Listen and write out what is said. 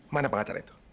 mana pengacara itu